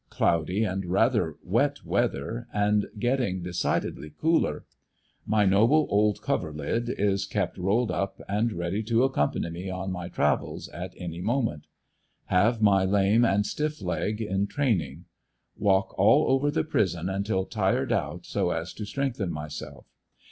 Cloudy, and rather wet weather, and getting decidedly cooler. My noble old coverlid is kept rolled up and ready to accompany me on my travels at any moment. Have my lame and stiff leg in training. Walk all over the prison until tired out so as to strengthen myself.